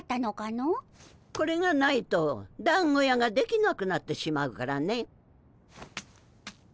これがないとだんご屋ができなくなってしまうからね。